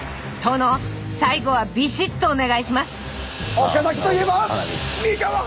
殿最後はビシッとお願いします！